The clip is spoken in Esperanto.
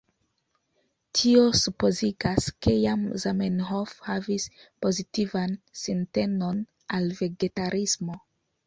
Tio supozigas, ke jam Zamenhof havis pozitivan sintenon al vegetarismo.